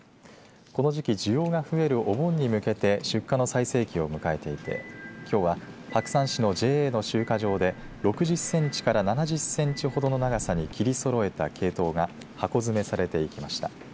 この時期需要が増えるお盆に向けて出荷の最盛期を迎えていてきょうは白山市のＪＡの出荷場で６０センチから７０センチほどの長さに切りそろえたケイトウが箱詰めされていきました。